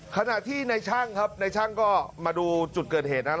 ขณะที่ในช่างครับในช่างก็มาดูจุดเกิดเหตุนะครับ